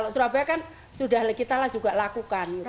surabaya kan sudah kita juga lakukan